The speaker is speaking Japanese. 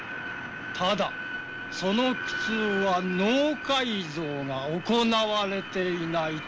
ただその苦痛は脳改造が行われていないためだ。